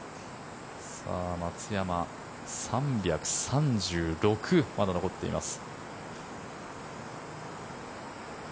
松山、３３６まだ残っています。